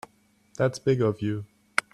That's big of you.